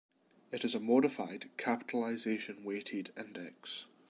It is a modified capitalization-weighted index.